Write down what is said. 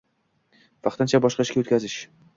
vaqtincha boshqa ishga o‘tkazish